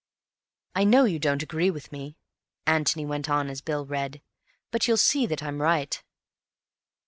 "I know you don't agree with me," Antony went on as Bill read, "but you'll see that I'm right."